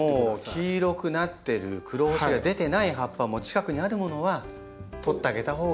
もう黄色くなってる黒星が出てない葉っぱも近くにあるものは取ってあげたほうが。